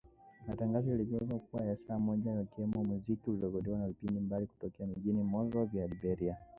Matangazo yaligeuka kuwa ya saa moja kukiwemo muziki uliorekodiwa na vipindi mbalimbali kutokea mjini Monrovia, Liberia